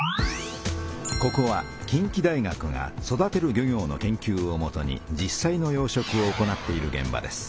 ここは近畿大学が育てる漁業の研究をもとに実さいの養殖を行っているげん場です。